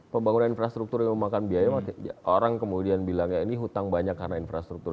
pembangunan infrastruktur yang memakan biaya orang kemudian bilang ya ini hutang banyak karena infrastruktur